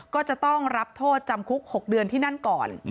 ก็จะต้องรับโทษจำคุก๖เดือนที่นั่นก่อน